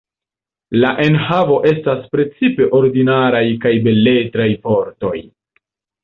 La enhavo estas precipe ordinaraj kaj beletraj vortoj.